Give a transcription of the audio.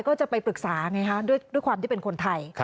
ก็จะไปปรึกษาไงคะด้วยความที่เป็นคนไทย